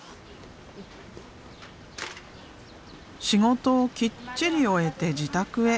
仕事をきっちり終えて自宅へ。